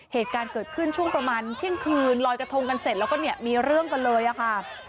เหตุการณ์เกิดขึ้นช่วงประมาณเที่ยงคืนลอยกระทงกันเสร็จแล้วก็เนี่ยมีเรื่องกันเลยอะค่ะ